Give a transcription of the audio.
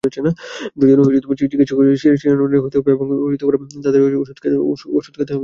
প্রয়োজনে চিকিৎসকের শরণাপন্ন হতে হবে এবং তাঁর পরামর্শ অনুযায়ী ওষুধ খেতে হবে।